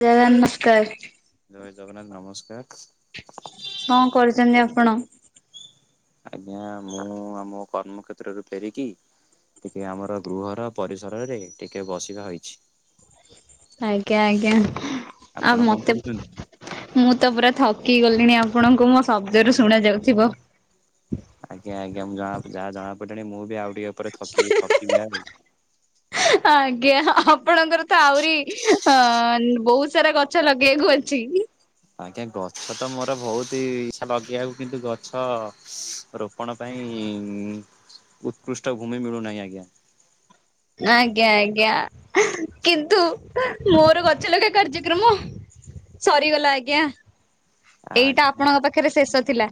[unintelligible] ନକାର ଜୟ ଜଗନ୍ନାଥ, ନମସ୍କାର। କଁ, କରୁଛନ୍ତି ଆପଣ? ଆଜ୍ଞା, ମୁଁ ଆମ କର୍ମକ୍ଷେତ୍ରରୁୁ ଫେରିକି ଟିକିଏ ଆମର ଗୃହର ପରିସରରେ, ଟିକିଏ ବସିବା ହୋଇଛି। ଆଜ୍ଞା, ଆଜ୍ଞା, ଆପଣ ଆଉ କଣ ମତେ କରୁଛନ୍ତି? ମୁଁ, ତ ପୁରା ଥକି ଗଲିଣି। ଆପଣଙ୍କୁ ମୋ ଶବ୍ଦରୁ ଶୁଣା ଯାଉଥିବ। ଆଜ୍ଞା, ଆଜ୍ଞା, ମୁଁ ଜଣା ଯାହା ଜଣା ପଡ଼ିଲାଣି, ମୁଁ ବି ଆଉ ଟିକେ ଉପରେ କି ଥକି ଥକିବି ଆଉ। ଆଜ୍ଞା, ଆପଣଙ୍କର ତ ଆହୁରି ଅଁ ବହୁତ ସାରା କଥ୍ ଛ ଲଗେୟାକୁ ଅଛି। ଆଜ୍ଞା, ଗଛ ତ ମୋର ବହୁତ ଇ-ଇଛା ଲଗେଇବାକୁ କିନ୍ତୁ ଗଛ, ରୋ ପଣ ପାଇଁ-ଇଁ ଉତ୍କୃଷ୍ଟ ଭୂମି ମିଳୁନାହିଁ, ଆଜ୍ଞା। ଆଜ୍ଞା, ଆଜ୍ଞା, କିନ୍ତୁ ମୋର ଗଛ ଲଗା କାର୍ଯ୍ୟକ୍ରମ ସରିଗଲା ଆଜ୍ଞା। ଏଇଟା ଆଜ୍ଞା ଆପଣଙ୍କ ପାଖରେ ଶେଷ ଥିଲା।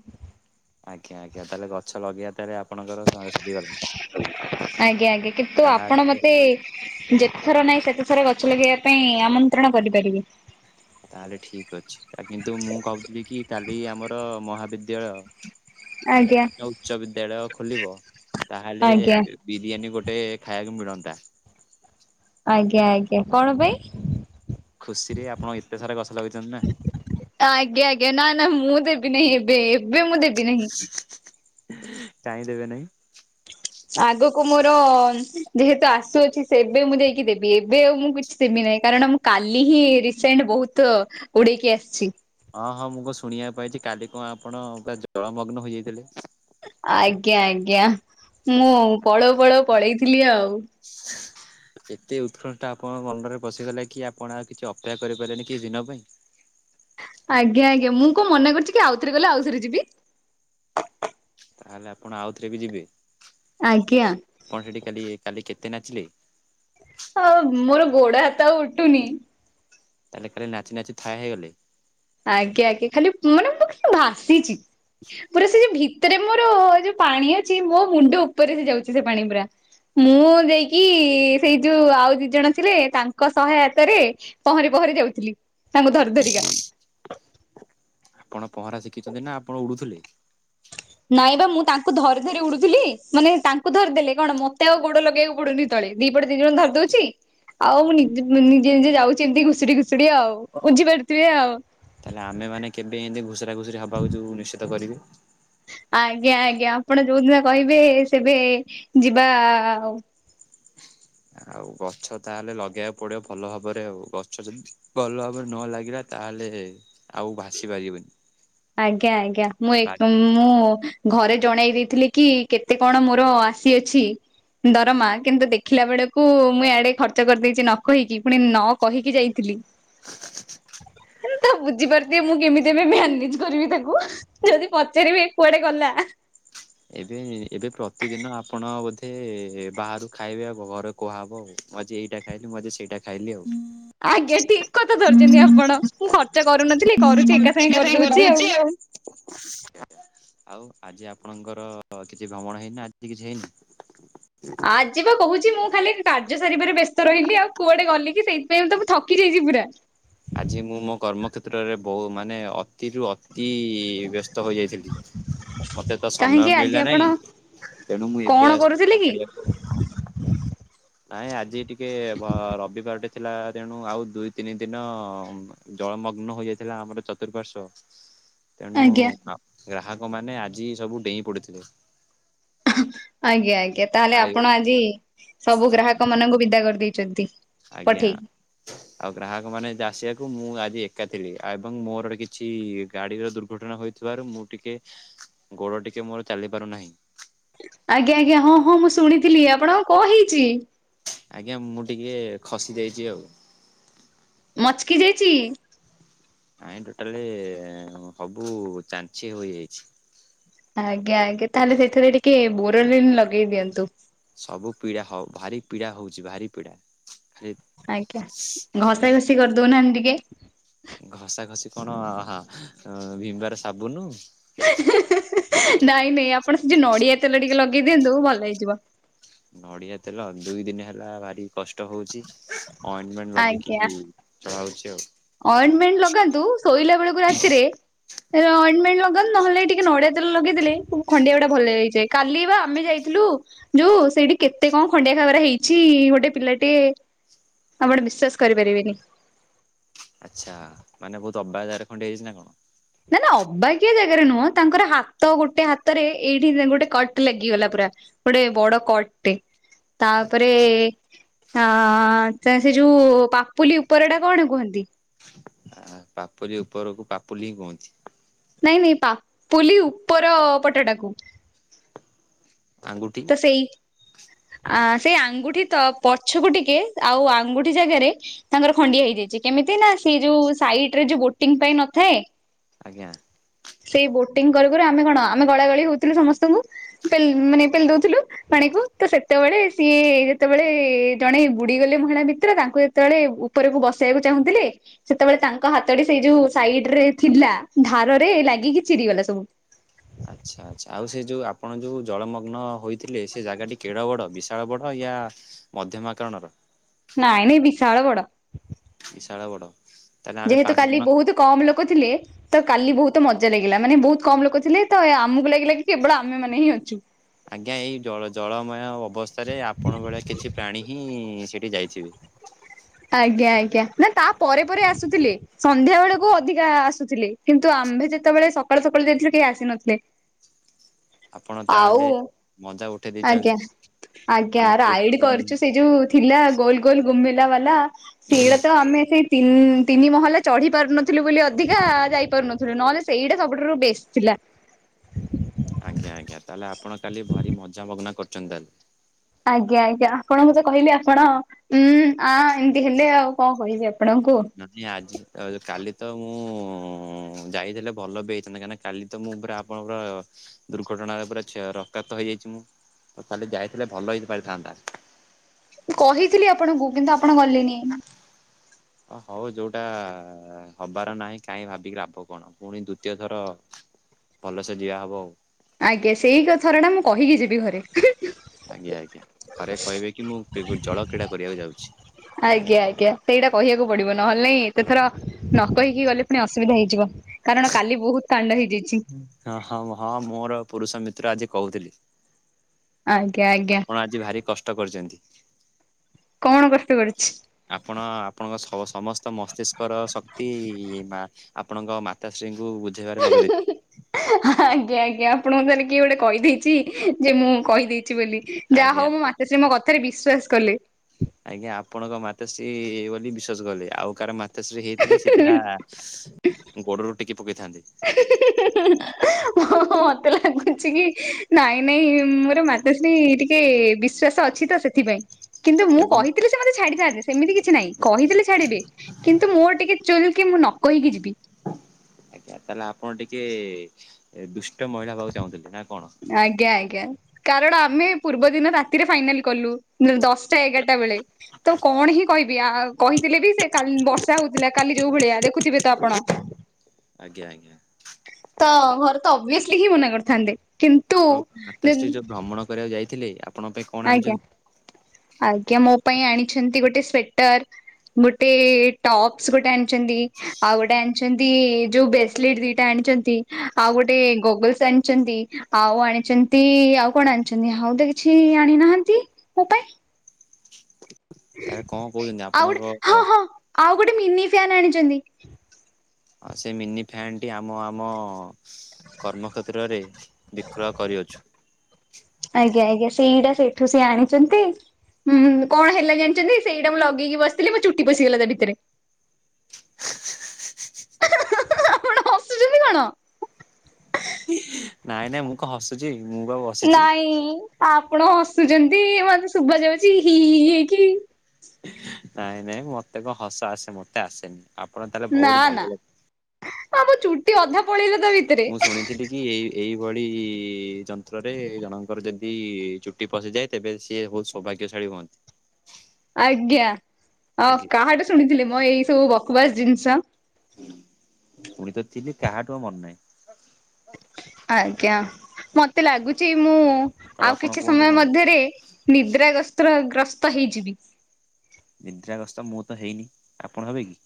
ଆଜ୍ଞା, ଆଜ୍ଞା, ତାହେଲେ ଗଛ ଲଗେଇବା ତାହଲେ ଆପଣଙ୍କର ସଁ ସ ଆଜ୍ଞା, ଆଜ୍ଞା, କିନ୍ତୁ ଆପଣ ତାହେଲେ ମତେ ଯେତେଥର ନାହିଁ, ସେତେ ଥର ଗଛ ଲଗେଇବା ପାଇଁ ଆମନ୍ତ୍ରଣ କରିପାରିବେ। ତାହେଲେ ଠିକ ଅଛି। ଏ କିନ୍ତୁ ମୁଁ କହୁଥିଲି କି କାଲି ଆମର ମହାବିଦ୍ୟାଳୟ ଆଜ୍ଞା ତ ଉଚ୍ଚ ବିଦ୍ୟାଳୟ ଖୋଲିବ ତାହେଲେ ଆଜ୍ଞା ବିରିୟାନୀ ଗୋଟେ ଖାଇବାକୁ ମିଳନ୍ତା। ଆଜ୍ଞା, ଆଜ୍ଞା, କଣ ପାଇଁ? ଖୁସିରେ ଆପଣ ଏତେ ସାରା ଗଛ ଲଗେଇଚନ୍ତି ନା। ଆଜ୍ଞା, ଆଜ୍ଞା, ନା ନା ମୁଁ ଦେବି ନାହିଁ ଏବେ। ଏବେ ମୁଁ ଦେବି ନାହିଁ। କଇଁ ଦେବେ ନାହିଁ? ଆଗକୁ ମୋର ଯେହେତୁ ଆସୁ ଅଛି ସେବେ ମୁଁ ଯାଇକି ଦେବି। ଏବେ ଆଉ ମୁଁ କିଛି ଦେବି ନାହିଁ। କାରଣ ମୁଁ କାଲି ହିଁ ରିସେଣ୍ଟ ବହୁତ ଉଡେଇକି ଆସିଛି। ଅଁ, ହଁ ମୁଁ କଣ ଶୁଣିବାକୁ ପାଇଛି କାଲି କଣ ଆପଣ ପୁରା ଜଳମଗ୍ନ ହୋଇଯାଇଥିଲେ। ଆଜ୍ଞା, ଆଜ୍ଞା, ମୁଁ ପଳଉ ପଳଉ ପଳେଇଥିଲି ଆଉ। ଏତେ ଉତ୍କଣ୍ଠା ଆପଣଙ୍କ ମନରେ ପସିିଗଲା କି ଆପଣ ଆଉ କିଛି ଅପେକ୍ଷା କରିପାଇଲେନିକି କି ଦିନ ପାଇଁ? ଆଜ୍ଞା, ଆଜ୍ଞା ମୁଁ କଣ ମନା କରୁଛି କି ଆଉଥରେ ଗଲେ ଆଉଥରେ ଯିବି। ତାହେଲେ ଆପଣ ଆଉ ଥରେ ବି ଯିବେ? ଆଜ୍ଞା। ଆପଣ ସେଠି କାଲି କାଲି କେତେ ନାଚିଲେ? ଆଉ ମୋର ଗୋଡ ହାତ ଆଉ ଉଠୁନି। ତାହେଲେ କାଲି ନାଚ ନାଚି ଥା ହେଇଗଲେ? ଆଜ୍ଞା, ଆଜ୍ଞା ଖାଲି ମାନେ ମୁଁ [inaudible] ଭାସିଛି। ପୁରା ସେ ଯୋଉ ଭିତରେ ମୋର ଯୋଉ ପାଣି ଅଛି ମୋ ମୁଣ୍ଡ ଉପରେ ସେ ଯାଉଛି ସେ ପାଣି ପୁରା। ମୁଁ ଦେଇକି ସେଇ ଯୋଉ ଆଉ ଦି ଜଣ ଥିଲେ ତାଙ୍କ ସହାୟତ ରେ ପହଁରି ପହଁରି ଯାଉଥିଲି। ତାଙ୍କୁ ଧରି ଧରିକା। ଆପଣ ପହଁରା ଶିଖିଛନ୍ତି ନା ଆପଣ ଉଡୁଥିଲେ? ନାଇଁ ବା ମୁଁ ତାଙ୍କୁ ଧରି ଧରି ଉଡୁଥିଲି। ମାନେ ତାଙ୍କୁ ଧରିଦେଲେ କଣ ମୋତେ ଆଉ ଗୋଡ ଲଗେଇବାକୁ ପଡୁନି। ତଳେ ଦି ପଟ ଦି ଜଣ ଧରି ଦଉଛି। ଆଉ ମୁଁ ନି ଉଁ, ନିଜେ ନିଜେ ଯାଉଛି ଏମତି ଘୁଷୁରି ଘୁଷୁଡି ଆଉ। ବୁଝି ପାରୁଥିବେ ଆଉ। ତାହେଲେ ଆମେ ମାନେ କେବେ ଏମିତି ଘୁଷୁରା ଘୁଷୁରି ହବାକୁ ଯୋଉ ନିଶ୍ଚିତ କରିବେ? ଆଜ୍ଞା, ଆଜ୍ଞା, ଆପଣ ଯୋଉଦିନ କହିବେ ସେବେ ଯିବା ଆଉ। ଆଉ ଗଛ ତାହେଲେ ଲଗେଇବାକୁ ପଡିବ ଭଲ ଭାବରେ ଆଉ। ଗଛ ଯଦି ଭଲ ଭାବରେ ନ ଲାଗିଲା ତାହେଲେ ଆଉ ଭାସି ପାରିବନି। ଆଜ୍ଞା, ଆଜ୍ଞା ମୁଁ ଏକ ମୁଁ ଘରେ ଜଣେଇ ଦେଇଥିଲେ କି କେତେ କଣ ମୋର ଆସିଅଛି। ଦରମା, କିନ୍ତୁ ଦେଖିଲା ବେଳକୁ ମୁଁ ଆଡେ ଖର୍ଚ୍ଚ କରିଦେଇଚି। ନ କହିକି ପୁଣି ନ କହିକି ଯାଇଥିଲି। ତ ବୁଝିପାରୁ ଥିବେ ମୁଁ କେମିତି ଏବେ ମେନେଜ୍ କରିବି ତାକୁ ଯଦି ପଚାରିବେ କୁଆଡେ ଗଲା। ଏବେ ଏବେ ପ୍ରତିଦିନ ଆପଣ ବୋଧେ ବାହାରୁ ଖାଇବେ ଆଉ ଗ-ଘର କୁହା ହବ। ମୁଁ ଆଜି ଏଇଟା ଖାଇଲି ମୁଁ ଆଜି ସେଇଟା ଖାଇଲି ଆଉ। ଆଜ୍ଞା ଠିକ କଥା ଧରିଚନ୍ତି ଆପଣ। ମୁଁ ଖର୍ଚ୍ଚ କରୁନଥିଲି କରୁଛି ଏକା ସାଙ୍ଗେ କରିଦଉଛି ଆଉ। ଆଉ ଆଜି ଆ ଆପଣଙ୍କର କିଛି ଭ୍ରମଣ ହେଇନି ନା ଆଜି କିଛି ହେଇନି? ଆଜିି ବା କହୁଛି ମୁଁ ଖାଲି କାର୍ଯ୍ୟ ସାରିବାରେ ବ୍ୟସ୍ତ ରହିଲି ଆଉ। କୁଆଡେ ଗଲି କି ସେଇଥିପାଇଁ ତ ମୁଁ ଥକି ଯାଇଚି ପୁରା। ଆଜି ମୁଁ ମୋ କର୍ମକ୍ଷେତ୍ରରେ ବହୁ ମାନେ ଅ ତିରୁ ଅତି ବ୍ୟସ୍ତ ହୋଇଯାଇଥିଲି ଟି। ମୋତେ ତ ସମୟ କାହିଁକି ଆଜି ମିଳିଲା ଆପଣ ନାହିଁ। ତେଣୁ ମୁଁ କଣ ଏବେ ଆସିଛି କରୁଥିଲେ ମୋ କି? ଗାଡିଆକୁ। ନାଇଁ ଆଜି ଟିକେ ଭ-ରବିବାର ଟେ ଥିଲା ତେଣୁ ଆଉ ଦୁଇ ତିନି ଦିନ ଜଳମଗ୍ନ ହୋଇଯାଇଥିଲା ଆମର ଚତୁଃପାର୍ଶ୍ଵ। ତେଣୁ ଆଜ୍ଞା। ଆ, ଗ୍ରାହକ ମାନେ ଆଜି ସବୁ ଡେଇଁ ପଡିଥିଲେ। ଆଜ୍ଞା ଆଜ୍ଞା ତାହେଲେ ଆଉ ଆପଣ ଆଜି ସବୁ ଗ୍ରାହକ ମାନଙ୍କୁ ବିଦା କରିଦେଇଛନ୍ତି। ଆଜ୍ଞା। ପଠେଇକି ଆଉ ଗ୍ରାହକ ମାନେ ଆସିବାକୁ ମୁଁ ଆଜି ଏକା ଥିଲି ଆଉ ଏବଂ ମୋରୋଗୋଟେ କିଛି ଗାଡିର ଦୁର୍ଘଟଣା ହୋଇ ଥିବାରୁ ମୁଁ ଟିକେ ଗୋଡ଼ ଟିକେ ମୋର ଚାଲି ପାରୁନାହିଁ। ଆଜ୍ଞା ଆଜ୍ଞା ହଁ ହଁ ମୁଁ ଶୁଣିଥିଲି ଆପଣ କଣ ହେଇଚି। ଆଜ୍ଞା ମୁଁ ଟିକେ ଖସି ଯାଇଚି ଆଉ। ମଚକି ଯାଇଚି। ଆଇଁ ଟୋଟାଲି ହବୁ ଚାଞ୍ଚି ହୋଇଯାଇଛି। ଆଜ୍ଞା ଆଜ୍ଞା ତାହେଲେ ସେଥିରେ ଟିକେ ବୋରଲିନ୍ ଲଗେଇ ଦିଅନ୍ତୁ। ସବୁ ପିଡା ହଉ ଭାରି ପିଡା ହଉଚି ଭାରି ପିଡା। ଆଜ୍ଞା ଘଷା ଘଷି କରିଦଉନାହାନ୍ତି ଟିକେ। ଘସା ଘସି କଣ ଭିମ୍ବାର ସାବୁନୁ। ନାଇଁ ନାଇଁ ଆପଣ ସେଠି ନଡିଆ ତେଲ ଟିକେ ଲଗେଇ ଦିଅନ୍ତୁ ଭଲ ହେଇଯିବ। ନଡିଆ ତେଲ ଦୁଇ ଦିନ ହେଲା ଭାରି କଷ୍ଟ ହଉଚି ଅଁ ମେଣ୍ଟ୍ ଲଗେଇକି ଚଳାଉଚି ଆଉ। ଅଇଁଣ୍ଟମେଣ୍ଟ ଲଗାନ୍ତୁ ଶୋଇଲା ବେଳକୁ ରାତିରେ। ଏ ଅଇଁଣ୍ଟମେଣ୍ଟ ଲଗନ୍ତୁ ନହଲେ ଟିକେ ନଡିଆ ତେଲ ଲଗେଇ ଦେଲେ ଖଣ୍ଡିଆ ଗୁଡା ଭଲ ହେଇଯଏ। କାଲି ବା ଆମେ ଯାଇଥିଲୁ। ଯୋଉ ସେଇଟି କେତେ କଣ ଖଣ୍ଡିଆ ଖାବରା ହେଇଚି ଗୋଟେ ପିଲାଟେ ଆପଣ ବିଶ୍ଵାସ କରିପାରିବେନି। ଆଚ୍ଛା ମାନେ ବହୁତ ଅବାଗିଆରେ ଖଣ୍ଡିଆ ହେଇଚି ନା କଣ। ନା ନା ଅବାଗିଆ ଜାଗାରେ ନୁହଁ ତାଙ୍କର ହାତ ଗୋଟେ ହାତରେ ଏଇଠି ଗୋଟେ କଟ ଲାଗିଗଲା ପୁରା। ଗୋଟେ ବଡ କଟଟେ ତାପରେ ହଁ ସେ ଯୋଉ ପାପୁଲି ଉପର ଟା କଣ କୁହନ୍ତି? ଆ ପାପୁଲି ଉପରକୁ ପାପୁଲି ହିଁ କୁହନ୍ତି। ନାଇଁ ନାଇଁ ପାପୁଲି ଉପର ପଟଟାକୁ। ଆଙ୍ଗୁଠି। ତ ସେଇ ଆ ସେଇ ଆଙ୍ଗୁଠି ତ ପଛକୁ ଟିକେ ଆଉ ଆଙ୍ଗୁଠି ଜାଗାରେ ତାଙ୍କର ଖଣ୍ଡିଆ ହେଇଯାଇଚି କେମିତି ନା ସେ ଯୋଉ ସାଇଟ ରେ ଯୋଉ ବୋଟିଂ ପାଇଁ ନଥାଏ ଆଜ୍ଞା। ସେଇ ବୋଟିଂ କରୁ କରୁ ଆମେ କଣ ଆମେ ଗଳା ଗଳି ହଉଥିଲୁ ସମସ୍ତଙ୍କୁ ମାନେ ପେଲି ଦଉଥିଲୁ। ପାଣିକୁ ତ ସେତେବେଳେ ସିଏ ଯେତେବେଳେ ଜଣେ ବୁଡି ଗଲେ ମହିଳା ମିତ୍ର ତାଙ୍କୁ ଯେତେବେଳେ ଉ ଉପରକୁ ବସେଇବାକୁ ଚାହୁଁଥିଲେ ସେତେବେଳେ ତାଙ୍କ ହାତଟି ସେଇ ଯୋଉ ସାଇଡ ରେ ଥିଲା। ଧାର ରେ ଲାଗିକି ଛିରିଗଲା ସବୁ। ଆଚ୍ଛା ଆଚ୍ଛା ଆଉ ସେ ଯଉ ଆପଣ ଯଉ ଜଳମଗ୍ନ ହୋଇଥିଲେ ସେ ଜାଗାଟି କେଡ଼େ ବଡ଼ ବିଶାଳ ବଡ଼ ୟା ମଧ୍ୟମ ଆକରଣର। ନାଇଁ ନାଇଁ ବିଶାଳ ବଡ। ବିଶାଳ ବଡ଼। ଯେହେତୁ କାଲି ବହୁତ କମ ଲୋକ ଥିଲେ। ତ କାଲି ବହୁତ ମଜା ଲାଗିଲା ମାନେ ବହୁତ କମ ଲୋକ ଥିଲେ ତ ଆମକୁ ଲାଗିଲା କି କେବଳ ଆମେ ମାନେ ହିଁ ଅଛୁ। ଆଜ୍ଞା ଏଇଜଳ ଜଳମୟ ଅବସ୍ଥାରେ ଆପଣ ବଳିଆ କିଛି ପ୍ରାଣୀ ହିଁ ସେଠି ଯାଇଥିବେ। ଆଜ୍ଞା ଆଜ୍ଞା ନା ତା ପରେ ପରେ ଆସୁଥିଲେ। ସନ୍ଧ୍ୟା ବେଳକୁ ଅଧିକା ଆସୁଥିଲେ କିନ୍ତୁ ଆମ୍ଭେ ଯେତେବେଳେ ସକାଳୁ ସକାଳୁ ଯାଇଥିଲୁ କେହି ଆସିନଥିଲେ। ଆପଣ ଆଉ ତାହେଲେ ମଜା ଉଠେଇ ଆଜ୍ଞା। ଦେଇଛନ୍ତି। ଆଜ୍ଞା ଆମେ ତ ଉଠେଇ ରାଇଡି ପାରୁନୁ। କରିଚୁ ସେଇ ଯୋଉ ଥିଲା ଗୋଲ ଗୋଲ ଗୁମେଇଲା ବାଲା ସେଇଡା ତ ଆମେ ସେଇ ତିନି ମହଲା ଚଢ଼ି ପାରୁନଥିଲୁ ବୋଲି ଅଧିକା ଯାଇପାରୁନଥିଲୁ ନହେଲେ ସେଇଟା ସବୁଠାରୁ ବେଷ୍ଟ ଥିଲା। ଆଜ୍ଞା ଆଜ୍ଞା ତାହେଲେ ଆପଣ କାଲି ଭାରି ମଜା ମଗ୍ନା କରୁଚନ୍ତି ତାହେଲେ। ଆଜ୍ଞା ଆଜ୍ଞା ଆପଣ କୁ ତ କହିଲି ଆପଣ ଉୁଁ ଆ ଏମିତି ହେଲେ ଆଉ କଣ କହିବି ଆପଣଙ୍କୁ। ଯଦି ଆଜି କାଲି ତ ମୁଁ ଯାଇଥିଲେ ଭଲ ବି ହେଇଥାନ୍ତା କାହିଁକା ନା କାଲି ତ ମୁଁ ପୁରା ଆପଣଙ୍କର ଦୁର୍ଘଟଣାରେ ପୁରା ଛ ରକ୍ତାତ ହେଇଯାଇଛି ମୁଁ। ତ କାଲି ଯାଇଥିଲେ ଭଲ ହେଇ ପାରିଥାନ୍ତା। କହିଥିଲି ଆପଣଙ୍କୁ କିନ୍ତୁ ଆପଣ ଗଲେନି। ଅ ହଉ ଯୋଉଟା ହବାର ନାହିଁ କାହିଁ ଭାବିକି ଲାଭ କଣ ପୁଣି ଦୁତୀୟ ଥର ଭଲସେ ଦିଆହବ ଆଉ। ଆଜ୍ଞା ସେଇ ଥର ଟା ମୁଁ କହିକି ଯିବି ଘରେ। ଆଜ୍ଞା ଆଜ୍ଞା ଘରେ କହିବେ କି ମୁଁ ପି ଉ ଜଳ କ୍ରୀଡା କରିବାକୁ ଯାଉଛି। ଆଜ୍ଞା ଆଜ୍ଞା ସେଇଟା କହିବାକୁ ପଡିବ ନହେଲେ ନାଇଁ ଏତେଥର ନ କହିକି ଗଲେ ପୁଣି ଅସୁବିଧା ହେଇଯିବ। କାରଣ କାଲି ବହୁତ୍ କାଣ୍ଡ ହେଇଯାଇଛି। ହଁ ହଁ ହଁ ମୋର ପୁରୁଷ ମିତ୍ର ଆଜି କହୁଥିଲି ଆଜ୍ଞା ଆଜ୍ଞା ଆପଣ ଆଜି ଆଜି ଭାରି କଷ୍ଟ କରିଛନ୍ତି। କଣ କଷ୍ଟ କରିଛି? ଆପଣ ଆପଣଙ୍କ ସ ସମସ୍ତ ମସ୍ତିଷ୍କର ଶକ୍ତି ମା। ଆପଣଙ୍କ ମାତାଶ୍ରୀଙ୍କୁ ବୁଝେଇବାରେ ଲଗେଇ ଦେଇ ଆଜ୍ଞା ଆଜ୍ଞା ଆପଣଙ୍କୁ ତାହେଲେ କିଏ ଗୋଟେ କହିଦେଇଛି ଯେ ମୁଁ କହିଦେଇଛି ବୋଲି। ଯାହା ଆଜ୍ଞା ହଉ ମୋ ଆଜ୍ଞା ମାତାଶ୍ରୀ ମୋ କଥାରେ ବିଶ୍ଵାସ କଲେ। ଆଜ୍ଞା ଆପଣଙ୍କ ମାତାଶ୍ରୀ ବୋଲି ବିଶ୍ଵାସ କଲେ ଆଉ କାର ମାତାଶ୍ରୀ ହେଇଥିଲେ ସିଧା ଗୋଡରୁ ଟେକି ପକେଇଥାନ୍ତେ। [inaudible] ହଁ ମତେ ଲାଗୁଛି କି ନାଇଁ ନାଇଁ ମୋର ମାତାଶ୍ରୀ ଟିକେ ବିଶ୍ଵାସ ଅଛି ତ ସେଥି ସେଥିପାଇଁ କିନ୍ତୁ ମୁଁ ଏବଂ କହିଥିଲି ମତେ ମାନେ ଛାଡିଥାନ୍ତେ ସେମିତି କିଛି ନାହିଁ କହିଦେଲେ ଛାଡିବେ କିନ୍ତୁ ମୋର ଟିକେ ଚୁରୁ କି ମୁନ ମୁଁ ନ କହିକି ଯିବି। ଆଜ୍ଞା ତାହେଲେ ଆପଣ ଟିକେ ଦୁଷ୍ଟ ମହିଳା ହବାକୁ ଚାହୁଁଛନ୍ତି ନା କଣ। ଆଜ୍ଞା ଆଜ୍ଞା। କାରଣ ଆମେ ପୂର୍ବ ଦିନ ରାତିରେ ଫାଇନାଲ କଲୁ ଦଶଟା ଏଗାରଟା ବେଳେ। ତୋ କଣ ହିଁ କହିବି ଆ କହିଥିଲେ ବି ସେ ବର୍ଷା ହଉଥିଲା କାଲି ଯୋଉ ଭଳିଆ ଦେଖୁଥିବେ ତୋ ଆପଣ। [inaudible] ଆଜ୍ଞା ଆଜ୍ଞା। ତ ଘରେ ତ ଅଭିଅସଲି ହିଁ ମନା କରିଥାନ୍ତେ। କିନ୍ତୁ ଆପଣଙ୍କ ମାତାଶ୍ରୀ ଯୋଉ ଭ୍ରମଣ କରିବାକୁ ଯାଇଥିଲେ। ଆପଣଙ୍କ ପାଇଁ କଣ ଆଜ୍ଞା ଆଣିଛନ୍ତି? ଆଜ୍ଞା ମୋ ପାଇଁ ଆଣିଛନ୍ତି ଗୋଟେ ସ୍ଵେଟର। ଗୋଟେ ଟପସ୍ ଗୋଟେ ଆଣିଚନ୍ତି ଆଉ ଗୋଟେ ଆଣିଚନ୍ତି ଯୋଉ ବ୍ରେସଲିଟି ଦିଟା ଆଣିଚନ୍‌ ତି ଆଉ ଗୋଟେ ଗୋଗଲସ୍ ଆଣିଚନ୍ତି ଆଉ ଆଣିଚନ୍ତି ଆଉ କଣ ଆଣିଛନ୍ତି ଆଉ ତ କିଛି ଆଣି ନାହାନ୍ତି ମୋ ପାଇଁ। ତାହେଲେ କଣ କହୁଛନ୍ତି ଆଉ ଆପଣଙ୍କ ଗୋଟେ ହଁ ହଁ ଆଉ ଗୋଟେ ମିନି ଫ୍ୟାନ ଆଣି ଚନ୍ତି। ସେ ମିନି ଫ୍ୟାନ ଟି ଆମ ଆମ କର୍ମକ୍ଷେତ୍ରରେ ବିକ୍ରୟ କରିଅଛୁ। ଆଜ୍ଞା ଆଜ୍ଞା ସେଇଟା ସେଇଠୁ ସେ ଆଣିଚନ୍ତି। ହୁଁ କଣ ହେଲା ଜାଣିଚନ୍ତି ସେଇଟା ମୁଁ ଲଗେଇକି ବସିଥିଲି ମୋ ଚୁଟି ପଶିଗଲା ତା ଭିତରେ। ଆପଣ ହସୁଚନ୍ତି କଣ? ନାଇଁ ନାଇଁ ମୁଁ କଣ ହସୁଛି ମୁଁ ପା ବ ନାଇଁ ଆପଣ ହସୁଛନ୍ତି ମତେ ଶୁଭାଯାଉଛି ହି ହି ହି ହେଇକି। ନାଇଁ ନାଇଁ ମତେ କଣ ହସ ଆସେ ମତେ ଆସେନି ଆପଣ ତାହେଲେ ବହୁତ ଭଲ ଲୋକ୍ ଆ ମୋ ଚୁଟି ଅଧା ପଳେଇଲା ତା ଭି ମୁଁ ଶୁଣିଥିଲି କି ଏଇ ଏଇଭଳି ଯନ୍ତ୍ରରେ ଜଣଙ୍କର ଯେମ୍ ତି ଚୁଟ୍ ଟି ପଶିଯାଏ ତେବେ ସିଏ ବହୁତ ସୌଭାଗ୍ୟଶାଳୀ ହୁଅନ୍ତି। ଆଜ୍ଞା ଆ ଆଜ୍ଞା କାହାଠୁ ଶୁଣିଥିଲେ ମୋ ଏଇ ସବୁ ବକବାସ୍ ଜିନିଷ। ଶୁଣି ତ ଥିଲି କାହାଠୁ ଆଉ ମନେ ନାହିଁ। ଆଜ୍ଞା। ମତେ ଲାଗୁଛି ମୁଁ ଆଉ ଆପଣ କିଛି କୁହନ୍ତୁ ସମୟ କଣ ମଧ୍ୟରେ ନିଦ୍ରା ଗସ୍ତ୍ର ଗ୍ରସ୍ତ ହେଇଯିବି। ନିଦ୍ରା ଗସ୍ତ ମୁଁ ତ ହେଇନି। ଆପଣ ହେବେ କି?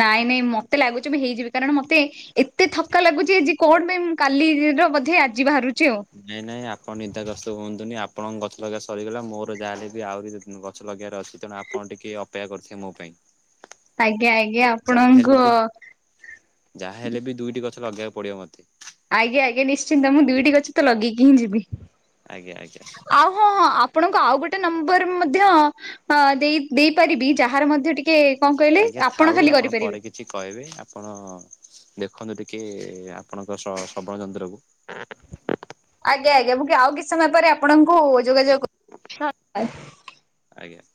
ନାଇଁ ନାଇଁ ମତେ ଲାଗୁଛି ମୁଁ ହେଇଯିବି କାରଣ ମତେ ଏତେ ଥକ୍କା ଲାଗୁଛି ଆଜି କଣ ପାଇଁ ମୁଁ କାଲିର ବୋଧେ ଆଜି ବାହାରୁଛି ଆଉ ନାଇଁ ନାଇଁ ଆପଣ ନିଦାଗ୍ରସ୍ତ ହୁଅନ୍ତୁନି। ଆପଣଙ୍କ ଗସ୍ତ ସରିଗଲା ମୋର ଯାହା ହେଲେ ବି ଆହୁରି [unintelligible] ଛ ଲଗେଇବାର ଅଛି। ତେଣୁ ଆପଣ ଟିକେ ଅପେକ୍ଷା କରିଥିବେ ମୋ ପାଇଁ। ଆଜ୍ଞା ଆଜ୍ଞା ଆପଣଙ୍କୁ ଯାହା ହେଲେ ବି ଦୁଇଟି ଗଛ ଲଗେଇବାକୁ ପଡ଼ିବ ମୋତେ। ଆଜ୍ଞା ଆଜ୍ଞା ନିଶ୍ଚିନ୍ତ ମୁଁ ଦିଇଟି ଗଛ ତ ଲଗେଇକି ହିଁ ଯିବି। ଆଜ୍ଞା ଆଜ୍ଞା ଆଉ ହଁ ହଁ ଆପ୍ ଆପଣଙ୍କୁ ଆଉ ଗୋଟେ ନମ୍ବର ମଧ୍ୟ ଅଁ ଦେଇ ଦେଇପାରିବି ଯାହାର ମଧ୍ୟ ଟିକ କେ କଣ କହିଲେ ଆଜ୍ଞା ଆପଣ ଥାଉ ଖାଲି କରିପାରିବେ। ପରେ କିଛି କହିବେ ଆପଣ ଦେଖନ୍ତୁ ଟିକେ ଆପଣଙ୍କ ଶ୍ର ଶ୍ରବଣ ଯନ୍ତ୍ରକୁ। ଆଜ୍ଞା ଆଜ୍ଞା ମୁଁ କି ଆଉ କିଛି ସମୟ ପରେ ଆପଣଙ୍କୁ ଯୋଗାଯୋଗ କ [inaudible] ଆଜ୍ଞା